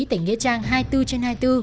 tỉnh nghĩa trang hai mươi bốn trên hai mươi bốn